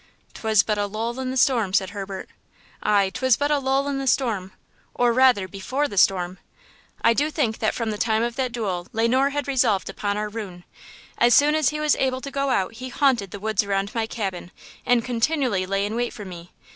"'Twas but a lull in the storm,'" said Herbert. "Aye! 'twas but a lull in the storm," or, rather, before the storm! I do think that from the time of that duel Le Noir had resolved upon our ruin. As soon as he was able to go out he haunted the woods around my cabin and continually lay in wait for me.